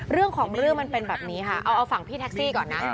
เรื่องของเรื่องมันเป็นแบบนี้ค่ะเอาฝั่งพี่แท็กซี่ก่อนนะ